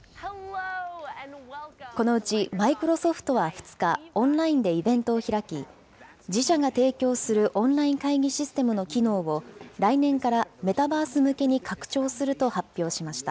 このうち、マイクロソフトは２日、オンラインでイベントを開き、自社が提供するオンライン会議システムの機能を、来年からメタバース向けに拡張すると発表しました。